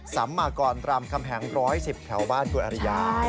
สำมากก่อนตามคำแหง๑๑๐แถวบ้านกว่าอริยา